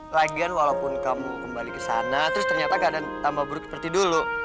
lagian walaupun kamu kembali ke sana terus ternyata keadaan tambah buruk seperti dulu